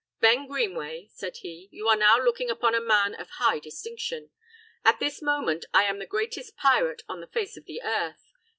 "Ben Greenway," said he, "you are now looking upon a man of high distinction. At this moment I am the greatest pirate on the face of the earth.